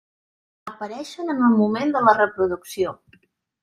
Apareixen en el moment de la reproducció.